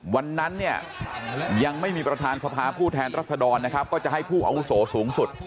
วันนั้นเนี่ยยังไม่มีประธานสภาผู้แทนรัศดรนะครับก็จะให้ผู้อาวุโสสูงสุด